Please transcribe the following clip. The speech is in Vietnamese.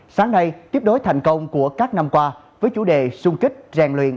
sáng nay tiếp đối thành công của các năm qua với chủ đề xung kích rèn luyện